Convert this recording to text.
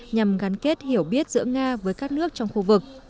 nhằm gắn kết hiểu biết giữa nga với các nước trong khu vực